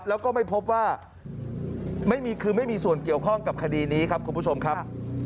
แล้วก็ไม่พบว่าไม่มีคือไม่มีส่วนเกี่ยวข้องกับคดีนี้ครับคุณผู้ชมครับ